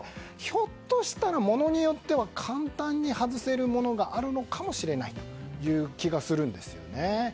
ひょっとしたらものによっては簡単に外せるものがあるのかもしれないという気がするんですよね。